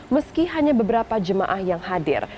meski hanya beberapa jemaah yang hadir